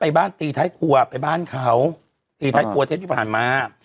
ไปบ้านเขาที่ป่านมา